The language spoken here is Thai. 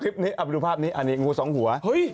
ไปดูภาพนี้งูสองหัว